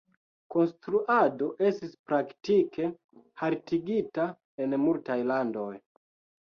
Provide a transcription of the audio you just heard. Konstruado estis praktike haltigita en multaj landoj.